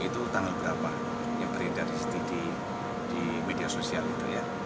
tahun berapa yang terindah di media sosial itu ya